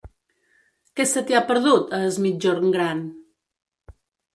Què se t'hi ha perdut, a Es Migjorn Gran?